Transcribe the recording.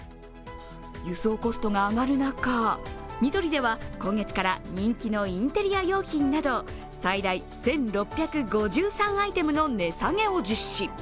輸送コストが上がる中、ニトリでは今月から人気のインテリア用品など最大１６５３アイテムの値下げを実施。